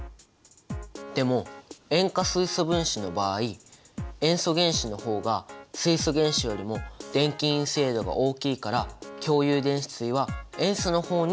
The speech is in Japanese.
でも塩化水素分子の場合塩素原子の方が水素原子よりも電気陰性度が大きいから共有電子対は塩素の方に引き付けられる。